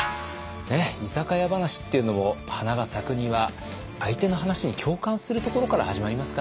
居酒屋話っていうのも花が咲くには相手の話に共感するところから始まりますからね。